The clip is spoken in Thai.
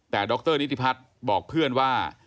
แต่ดรนิติพัฒน์บอกเพื่อนว่า